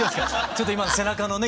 ちょっと今背中のね